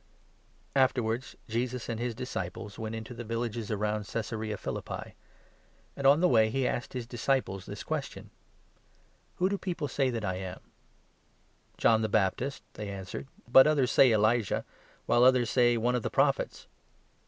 Afterwards Jesus and his disciples went into the n villages round Caesarea Philippi ; and on the of way he asked his disciples this question — The Christ. ,« Who do pe0pie say that i am ?» "John the Baptist," they answered, " but others say Elijah, while others say one of the Prophets."